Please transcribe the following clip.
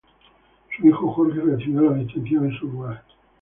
Su hijo Jorge recibió la distinción en su lugar.